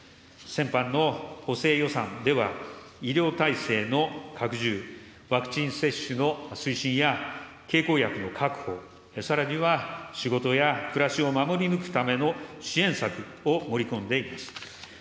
先般の補正予算では、医療体制の拡充、ワクチン接種の推進や経口薬の確保、さらには仕事や暮らしを守り抜くための支援策を盛り込んでいます。